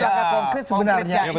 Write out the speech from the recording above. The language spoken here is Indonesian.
langkah konkret sebenarnya